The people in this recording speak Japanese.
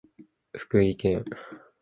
福井県勝山市